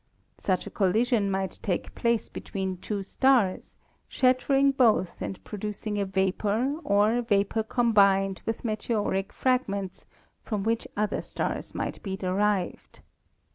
Such a collision might take place between two stars, shattering both and producing a vapor or vapor combined with meteoric fragments from which other stars might be derived.